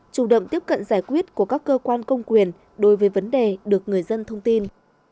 chủ động tiếp cận giải quyết của các cơ quan công quyền đối với vấn đề được người dân thông tin